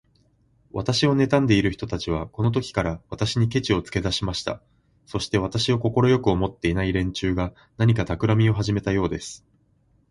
私をねたんでいる人たちは、このときから、私にケチをつけだしました。そして、私を快く思っていない連中が、何かたくらみをはじめたようです。